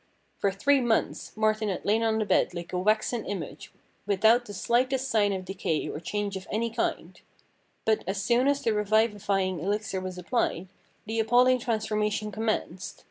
For three months Martin had lain on the bed like a waxen image, without the slightest sign of decay or change of any kind; but, as soon as the revivifying elixir was applied, the appalling trans formation commenced.